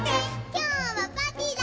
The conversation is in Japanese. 「きょうはパーティーだ！」